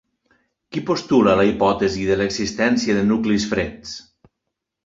Qui postula la hipòtesi de l'existència de nuclis freds?